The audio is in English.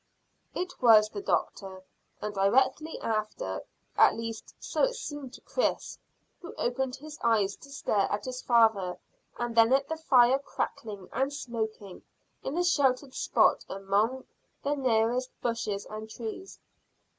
It was the doctor, and directly after at least, so it seemed to Chris, who opened his eyes to stare at his father, and then at the fire crackling and smoking in a sheltered spot among the nearest bushes and trees.